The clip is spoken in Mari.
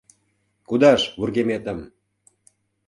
Кудаш вургеметым!